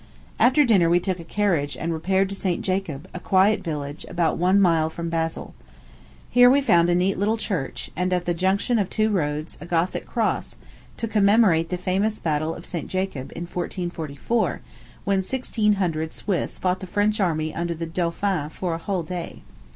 After dinner we took a carriage and repaired to St. Jacob, a quiet village, about one mile from Basle. Here we found a neat little church, and, at the junction of two roads, a Gothic cross, to commemorate the famous battle of St. Jacob, in 1444, when sixteen hundred Swiss fought the French army under the dauphin for a whole day.